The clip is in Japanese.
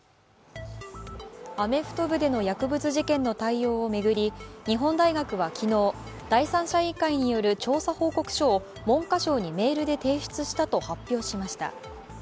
アメフト部での薬物事件の対応を巡り日本大学は昨日第三者委員会による調査報告書を文科省にメールで提出したと発表しました。